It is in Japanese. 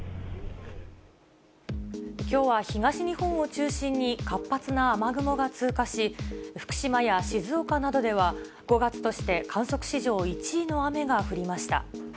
きょうは東日本を中心に、活発な雨雲が通過し、福島や静岡などでは、５月として観測史上１位の雨が降りました。